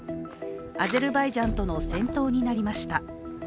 アゼルバイジャンとの戦闘になりました。